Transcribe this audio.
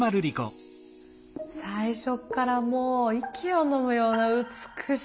最初っからもう息をのむような美しい映像でしたね。